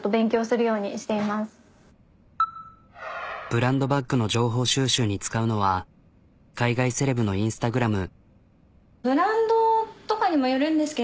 ブランドバッグの情報収集に使うのは海外セレブのインスタグラム。